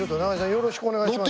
よろしくお願いします。